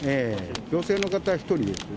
女性の方、１人ですね。